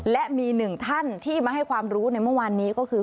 และมีหนึ่งท่านที่มาให้ความรู้ในเมื่อวานนี้ก็คือ